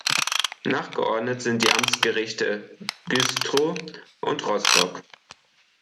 Nachgeordnet sind die Amtsgerichte Güstrow und Rostock.